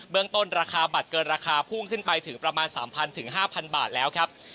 ต้นราคาบัตรเกินราคาพุ่งขึ้นไปถึงประมาณ๓๐๐๕๐๐บาทแล้วครับ